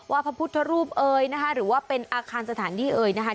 พระพุทธรูปเอ่ยนะคะหรือว่าเป็นอาคารสถานที่เอ่ยนะคะ